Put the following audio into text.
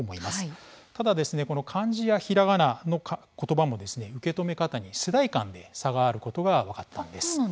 ただ、漢字やひらがなの言葉も受け止め方に世代間で差があることが分かったんです。